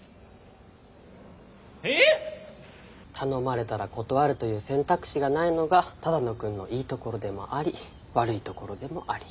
頼まれたら断るという選択肢がないのが只野くんのいいところでもあり悪いところでもあり。